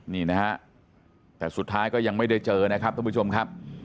นี่นะฮะแต่สุดท้ายก็ยังไม่ได้เจอนะครับท่านผู้ชมครับ